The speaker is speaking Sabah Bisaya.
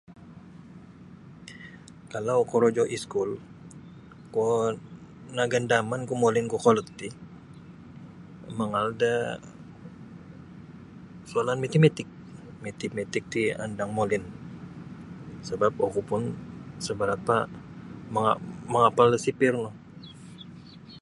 Kalau korojo iskul kuo nagandamanku molin kokolot ti mangaal da soalan Mitimitik Mitimitik ti ondong molin sebap oku pun sa barapa' mangapal da sifirku.